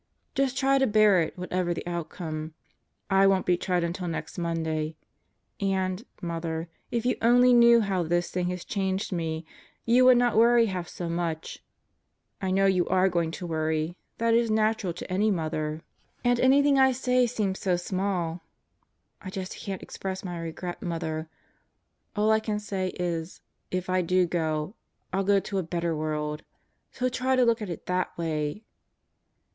Just try to bear it, whatever the outcome. I won't be tried until next Monday. And, Mother, if you only knew how this thing has changed me, you would not worry half so much. I know you are going to worry. That is natural to any mother. And anything I say 44 God Goes to Murderers Row seems so small. ... I just can't express my regret, Mother. All I can say is, if I do go, I'll go to a better world. So try to look at it that way.